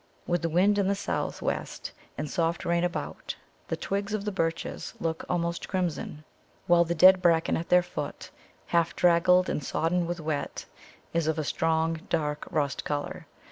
With the wind in the south west and soft rain about, the twigs of the birches look almost crimson, while the dead bracken at their foot, half draggled and sodden with wet, is of a strong, dark rust colour.